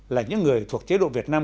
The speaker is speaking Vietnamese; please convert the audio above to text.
là những người thuộc chế độ việt nam